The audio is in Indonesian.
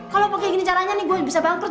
kalau pakai gini caranya nih gue bisa bangkrut be